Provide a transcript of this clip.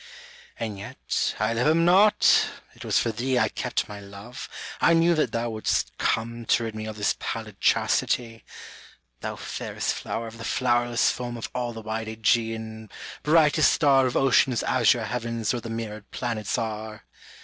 And yet I love him not, it was for thee I kept my love, I knew that thou would'st come To rid me of this pallid chastity; Thou fairest flower of the flowerless foam Of all the wide ^Egean, brightest star Of ocean's azure heavens where the mirrored planets are!